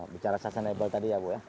bicara sustainable tadi ya bu ya